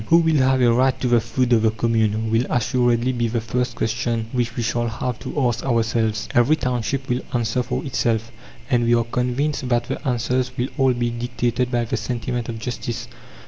Who will have a right to the food of the commune? will assuredly be the first question which we shall have to ask ourselves. Every township will answer for itself, and we are convinced that the answers will all be dictated by the sentiment of justice.